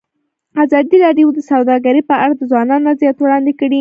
ازادي راډیو د سوداګري په اړه د ځوانانو نظریات وړاندې کړي.